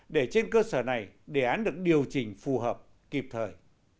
để trên cơ sở này đề án được điều chỉnh phù hợp kịp thời